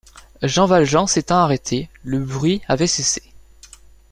Jean Valjean s’étant arrêté, le bruit avait cessé.